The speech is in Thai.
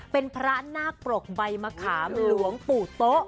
เป็นพระนาคปรกใบมะขามหลวงปู่โต๊ะ